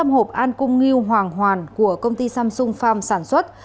một trăm linh hộp an cung nghiêu hoàng hoàn của công ty samsung farm sản xuất